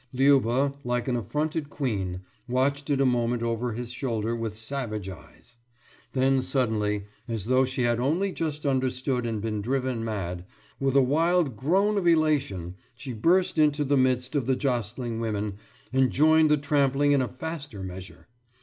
Liuba, like an affronted queen, watched it a moment over his shoulder with savage eyes; then suddenly, as though she had only just understood and been driven mad, with a wild groan of elation she burst into the midst of the jostling women and joined the trampling in a faster measure.